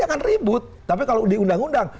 akan ribut tapi kalau di undang undang